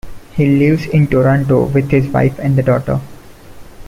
He lives in Toronto with his wife and daughter.